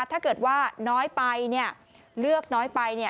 ถ้าเกิดว่าน้อยไปเลือกน้อยไป